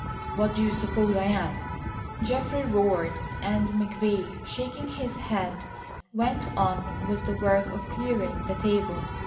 "What do you suppose I am?" Geoffrey roared, and McVay, shaking his head went on with the work of clearing the table.